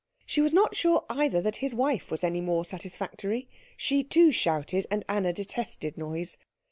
She was not sure, either, that his wife was any more satisfactory. She too shouted, and Anna detested noise.